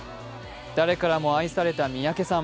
誰からも愛された三宅さん。